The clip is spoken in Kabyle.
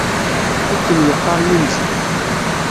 Akken yeqqaṛ yinzi.